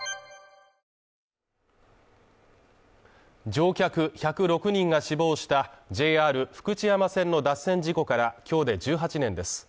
乗客１０６人が死亡したＪＲ福知山線の脱線事故から今日で１８年です。